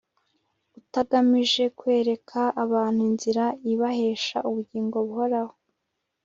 utagamije kwereka abantu inzira ibahesha ubugingo buhoraho